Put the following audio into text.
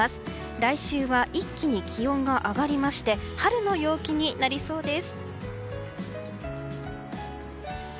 来週は一気に気温が上がりまして春の陽気になりそうです。